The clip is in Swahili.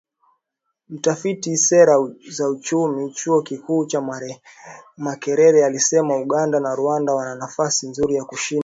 Mtafiti wa Sera za Uchumi, Chuo Kikuu cha Makerere, alisema Uganda na Rwanda wana nafasi nzuri ya kushinda.